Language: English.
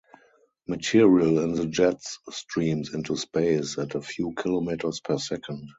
Material in the jets streams into space at a few kilometers per second.